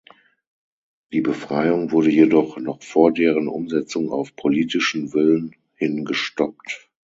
Die Befreiung wurde jedoch noch vor deren Umsetzung auf politischen Willen hin gestoppt.